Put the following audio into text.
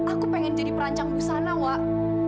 aku pengen jadi perancang busana wak